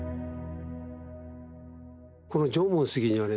この縄文杉にはね